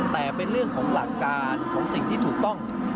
แต่เป็นเรื่องของหลักการของสิ่งที่ถูกต้อง